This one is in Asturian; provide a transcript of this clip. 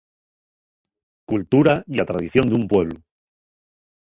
Cultura ya tradición d'un pueblu.